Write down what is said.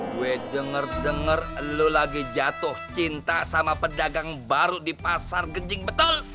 gue denger denger lu lagi jatuh cinta sama pedagang baru di pasar genjing betol